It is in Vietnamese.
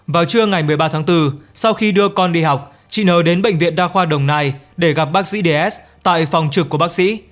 vào trưa ngày một mươi ba tháng bốn sau khi đưa con đi học chị nờ đến bệnh viện đa khoa đồng nai để gặp bác sĩ ds tại phòng trực của bác sĩ